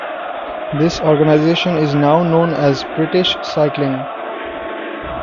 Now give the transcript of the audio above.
This organization is now known as British Cycling.